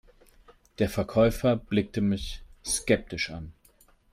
Der Verkäufer blickte mich skeptisch an.